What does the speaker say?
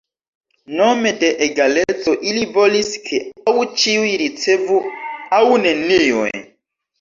Nome de egaleco ili volis ke aŭ ĉiuj ricevu aŭ neniuj.